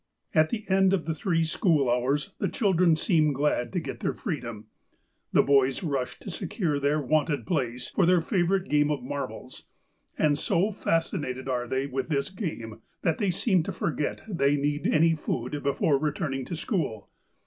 " At the end of the three school hours the children seem glad to get their freedom. The boys rush to secure their wonted places for their favourite game of marbles, and so fascinated are they with this game that they seem to forget they need any food before returning to school.